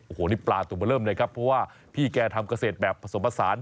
โอ้โหนี่ปลาตัวเบอร์เริ่มเลยครับเพราะว่าพี่แกทำเกษตรแบบผสมผสาน